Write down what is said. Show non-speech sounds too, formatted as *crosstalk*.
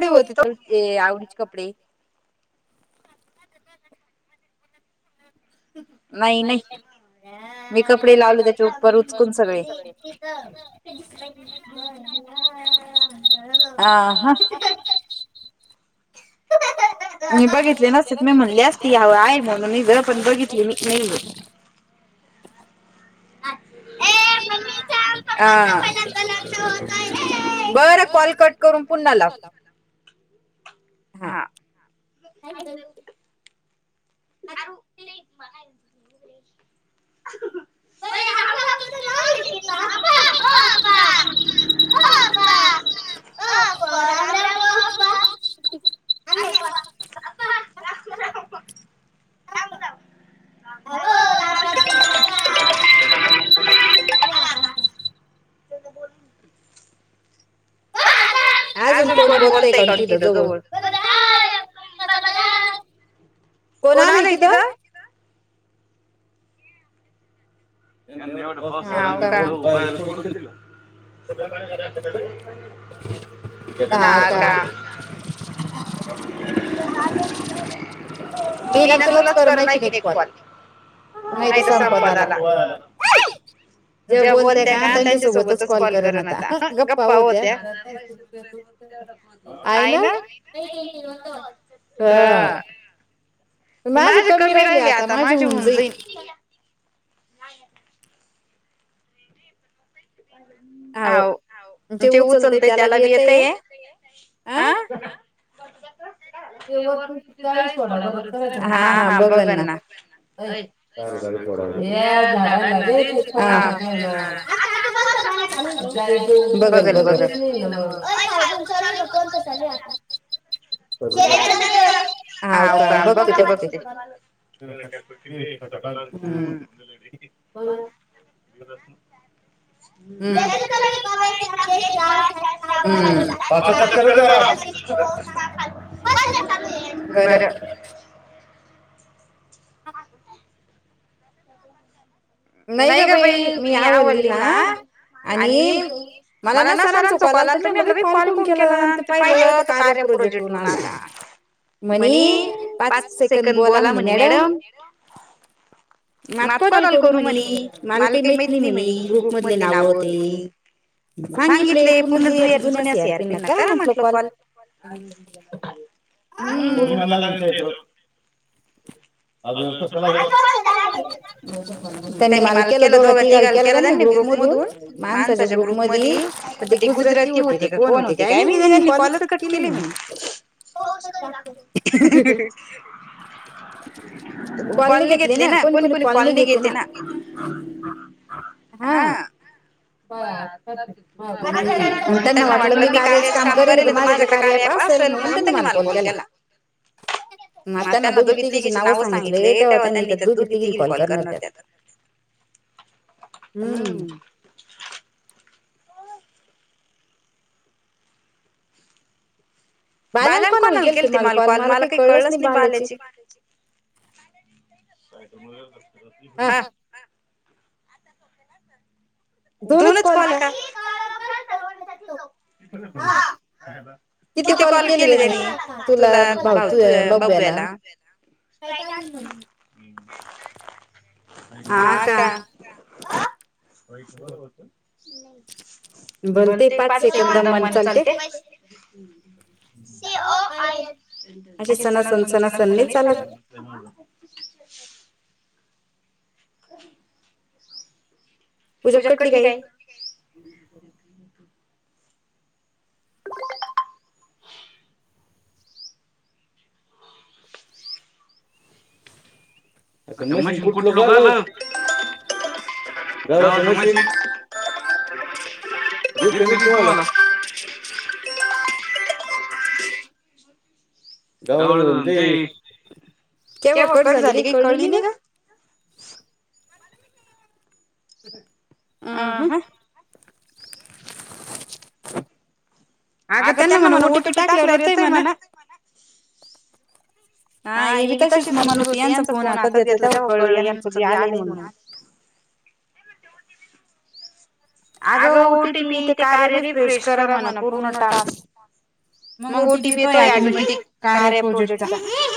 कपडे होते *unintelligible* आऊंचे कपडे, नाई नाई, मी कपडे लावले त्याचे उपर उचकून सगळे, *unintelligible* आ हा. मी बघितले नसते मी म्हटले असते, ह्यावर आहे म्हणून नाही गं पण बघितली मी *unintelligible* ये मम्मी, हा, बरं कॉल कट करून पुन्हा लाव. हां *unintelligible* आऊ ती बघायला, *unintelligible* ओ आप्पा, ओ आप्पा, आप्पा, राम राम ओ आप्पा, आणि आप्पा, राम राम आप्पा, हाव राम राम *unintelligible* *unintelligible* अजून कोण बोलतयं का तुझ्या जवळ? कोण आलंय तिथं? त्यांनीएवढं पाऊस, *unintelligible* बाहेरच पडून नाही दिल. *unintelligible* हा का *unintelligible* ''मी ना तुलाच करणार नाही की एक कॉल, नाहीतर संपदाला. '' *unintelligible* जे बोलतेत्या का, त्यांच्यासोबतच कॉल कारण आता, गप्पा होत्या *unintelligible* - आई, नाही घयायची *unintelligible* ''हा, माझी कमी राहिली आता, माझी होऊन जाईल. '' नाही येत. हौव, जे उचलतयं त्याला बी येत हे, अं ते वर चाळीस होणार सोडावर चरट, हा हा बघल ना, ये काय झालं गाडी सोडायला, ये झाडायेला *unintelligible* काकु कोणतं गाण चालु आहे, बगलं-बगलं, चालुय कोणतं चालूये आता. हाव का बघते-बघते. हं *inaudible* हं हं बरं नाही ग बाई, मी आवरलेला आ, आणि, मला ना सरांचा कॉल आलता, मी म्हणलं बाई कॉल कोण केला पाहिलंत- कार्या प्रोजेक्ट वरून आला. म्हनी, पाच सेकंड बोला म्हणे मॅडम, कॉल कोणाला करू म्हणे, मला काही माहित नाही म्हणे ग्रुप मधले नाव ते, ''सांगितले, पूर्ण जुन्या सीआरपी ना करा म्हटलं कॉल. '' *inaudible* हम्म. *unintelligible* त्यांनी मला केला दोघा तिघाले केला त्यांनी ग्रुप मधून माणसाच्या ग्रुप मध्ये ते गुजराती होते का कोण होते काय माहिती त्यांनी कॉलच कट केले मी. पाऊस कधी लागतोय? कॉल नाहि घेतले ना कोणी कोणी कॉल नाहि घेत ली ना हां. अनं त्यांना वाटलं मी कार्याच काम करेल, माझ्याकडे कार्या ॲप असलं म्हणून त्यांनी मला कॉल केला मग त्यांना दोघी तिघी नाव सांगितले तेव्हा त्यांनी दुघी तिघीला कॉल करणार त्यात हम्म. बाल्यान कोणाला केलते, मला कॉल मला काही कळलंच नाही बाल्याची हां. दोनच कॉल का? किती कॉल केले त्यांनी तुला भाऊ तू बब्याला? काय नाही म्हणून. हां का! बरोबर *unintelligible* बोलते, पाच सेकंदा मध्ये चालते. सी ओ आय एन, अशी सणासण सणासण नाही चालत *inaudible* पूजा *unintelligible* काही? अच्छा मशीन कुठलो घाललं? गव्हाच मशीन, दिसलं नाही तुम्हाला? जवळच होत ना, ते केव्हा कट झाली काय कळली नाही का? आं हां. अगं त्यांना म्हणावं ओ टी पी टाकल्यावर येतय म्हणा. हां ही बी तसचं म्हणत होती यांचा फोन हातात घेतला तेव्हा कळलं यांचं बी आलंय म्हणून. अगं ओ टी पी ते कार्या रिफ्रेश करा म्हणा पूर्ण टास्क मग ओ टी पी येतोय ऑटोमॅटिक कार्या प्रोजेक्टचा.